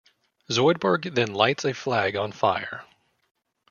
Zoidberg then lights a flag on fire.